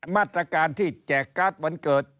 มาตรการที่แจกการ์ดวันเกิด